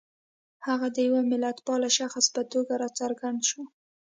هغه د یوه ملتپال شخص په توګه را څرګند شو.